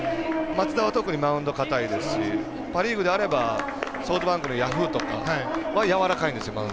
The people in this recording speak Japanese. マツダは特にマウンド硬いですしパ・リーグであればソフトバンクのＰａｙＰａｙドームとかはやわらかいんですよ。